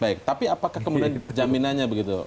baik tapi apakah kemudian jaminannya begitu